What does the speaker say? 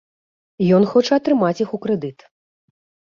Ён хоча атрымаць іх у крэдыт.